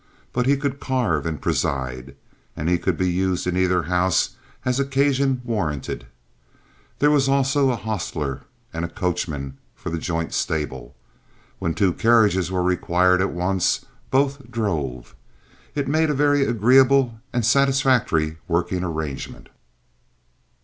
But he could carve and preside, and he could be used in either house as occasion warranted. There was also a hostler and a coachman for the joint stable. When two carriages were required at once, both drove. It made a very agreeable and satisfactory working arrangement.